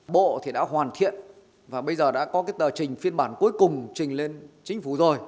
bộ thì đã hoàn thiện và bây giờ đã có cái tờ trình phiên bản cuối cùng trình lên chính phủ rồi